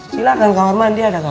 silahkan kamar mandi ada toh